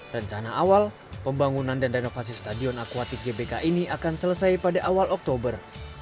rencana awal pembangunan dan renovasi stadion akuatik gbk ini akan selesai pada awal oktober